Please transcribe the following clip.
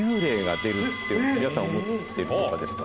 皆さん思ってるとかですか？